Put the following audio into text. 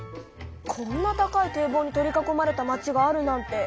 こんな高い堤防に取り囲まれた町があるなんて